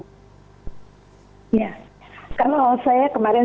ya karena saya kemarin